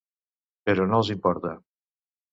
Però no els importa.